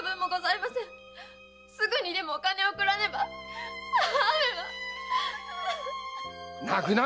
すぐにでもお金を送らねば母上は！泣くな！